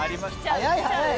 早い早い。